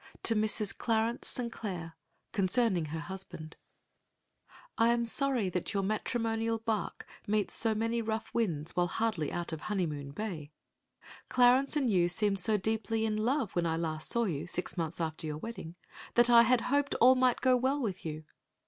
To Mrs. Clarence St. Claire Concerning Her Husband I am sorry that your matrimonial barque meets so many rough winds while hardly out of Honeymoon Bay. Clarence and you seemed so deeply in love when I last saw you, six months after your wedding, that I had hoped all might go well with you.